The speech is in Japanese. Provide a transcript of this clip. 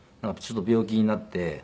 ちょっと病気になって。